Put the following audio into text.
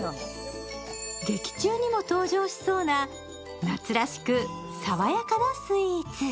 劇中にも登場しそうな、夏らしく爽やかなスイーツ。